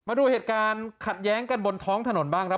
มาดูเหตุการณ์ขัดแย้งกันบนท้องถนนบ้างครับ